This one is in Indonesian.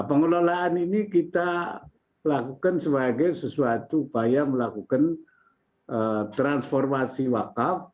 pengelolaan ini kita lakukan sebagai sesuatu upaya melakukan transformasi wakaf